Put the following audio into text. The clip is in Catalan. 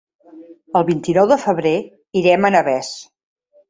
El vint-i-nou de febrer irem a Navès.